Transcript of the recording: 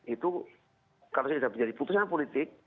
itu kalau sudah menjadi putusan politik